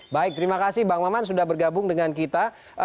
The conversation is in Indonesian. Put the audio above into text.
baik terima kasih bang maman sudah bergabung dengan kita